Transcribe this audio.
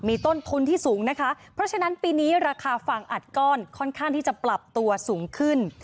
มีต้นทุนที่สูงนะคะเพราะฉะนั้นปีนี้ราคาฟางอัดก้อนค่อนข้างที่จะปรับตัวสูงขึ้น